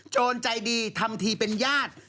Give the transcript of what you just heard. โจรใจดีทำทีเป็นญาติ